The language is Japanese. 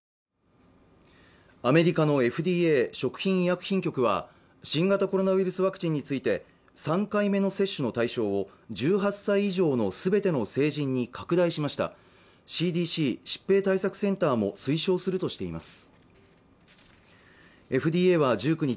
アメリカのＦＤＡ＝食品医薬品局は新型コロナウイルスワクチンについて３回目の接種の対象を１８歳以上の全ての成人に拡大しましたＣＤＣ＝疾病対策センターも推奨するとしていますＦＤＡは１９日